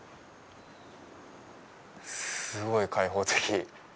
すごい開放的。